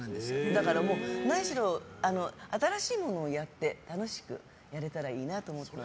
だから何しろ新しいものをやって楽しくやれたらいいなと思ってます。